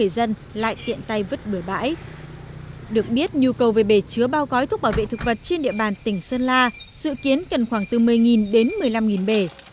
được biết nhu cầu về bể chứa bao gói thuốc bảo vệ thực vật trên địa bàn tỉnh sơn la dự kiến cần khoảng từ một mươi đến một mươi năm bể